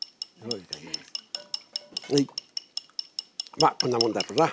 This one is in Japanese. まあこんなもんだろうな。